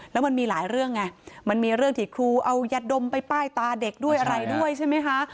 แล้วมันมีหลายเรื่องไงมันมีเรื่องที่ครูเอายาดมไปป้ายตาเด็กด้วยอะไรด้วยใช่ไหมคะ